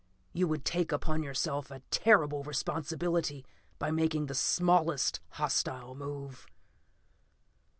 You would take upon yourself a terrible responsibility by making the smallest hostile move.